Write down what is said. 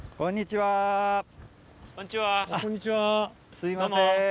すいません。